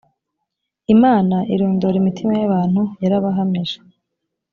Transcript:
imana irondora imitima y abantu yarabahamije